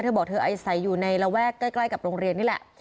บอกเธออาศัยอยู่ในระแวกใกล้กับโรงเรียนนี่แหละ